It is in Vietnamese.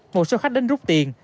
một số khách đến rút tiền